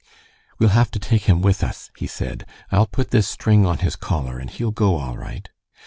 "We'll have to take him with us," he said. "I'll put this string on his collar, and he'll go all right."